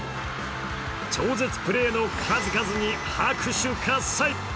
超絶プレーの数々に拍手喝采。